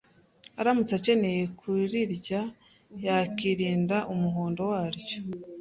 Aramutse akeneye kurirya yakirinda umuhondo waryo